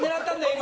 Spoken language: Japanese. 今